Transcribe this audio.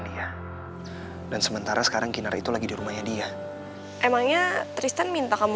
dia dan sementara sekarang kinar itu lagi di rumahnya dia emangnya tristan minta kamu